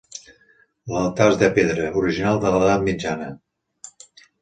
L'altar és de pedra, original de l'edat mitjana.